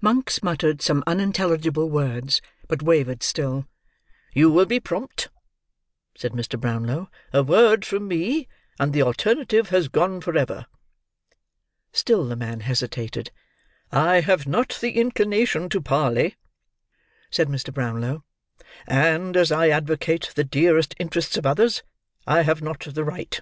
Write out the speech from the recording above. Monks muttered some unintelligible words, but wavered still. "You will be prompt," said Mr. Brownlow. "A word from me, and the alternative has gone for ever." Still the man hesitated. "I have not the inclination to parley," said Mr. Brownlow, "and, as I advocate the dearest interests of others, I have not the right."